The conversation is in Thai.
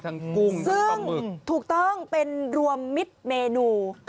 กุ้งซึ่งถูกต้องเป็นรวมมิตรเมนู